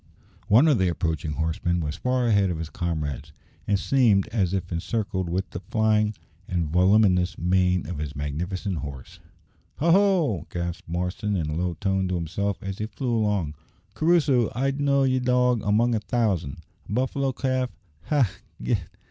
One of the approaching horsemen was far ahead of his comrades, and seemed as if encircled with the flying and voluminous mane of his magnificent horse. "Ha! ho!" gasped Marston in a low tone to himself, as he flew along. "Crusoe! I'd know ye, dog, among a thousand! A buffalo calf! Ha!